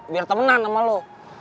biar temenan sama lo